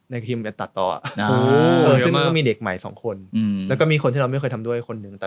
ในความคิดมันจะตัดต่อ